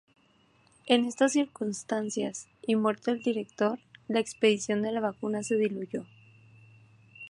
En estas circunstancias, y muerto el director, la expedición de la vacuna se diluyó.